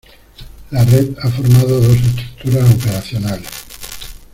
La Red ha formado dos estructuras operacionales.